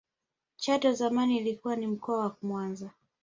chato zamani ilikuwa ni mkoa wa mwanza